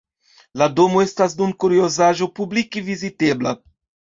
La domo estas nun kuriozaĵo publike vizitebla.